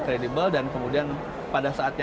kredibel dan kemudian pada saatnya